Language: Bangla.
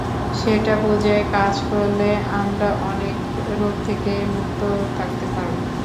সেটা বুঝে কাজ করলে আমরা অনেক রোগ থেকে মুক্ত থাকতে পারব।